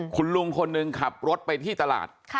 คุณลุงคนหนึ่งขับรถไปที่ตลาด